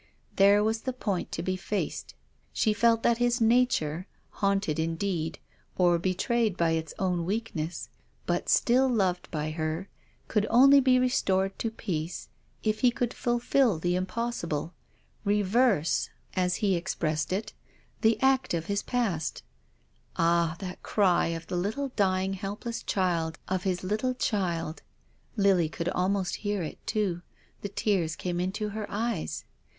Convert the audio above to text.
There was the point to be faced. She felt that his nature, haunt ed indeed or betrayed by its own weakness, but still loved by her, could only be restored to peace if he could fulfil the impossible, reverse — as he 214 TONGUES OF CONSCIENCE. expressed it — that act of his past. Ah, that cry of the Httlc dying, helpless child, of his little child. Lily could almost hear it too, the tears came into her eyes.